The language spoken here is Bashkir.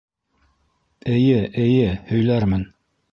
Эйе, эйе... һөйләрмен.